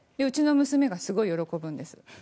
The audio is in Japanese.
うちの娘がすごい喜ぶんです。